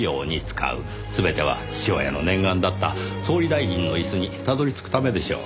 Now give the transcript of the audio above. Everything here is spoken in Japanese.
全ては父親の念願だった総理大臣の椅子にたどり着くためでしょう。